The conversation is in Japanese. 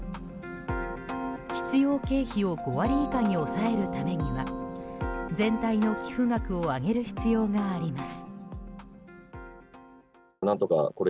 必要経費を５割以下に抑えるためには全体の寄付額を上げる必要があります。